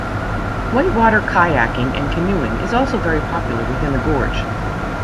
Whitewater kayaking and canoeing is also very popular within the gorge.